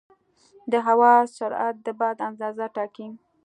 د هوا سرعت د باد اندازه ټاکي.